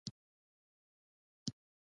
د ولسمشرټرمپ ادارې وویل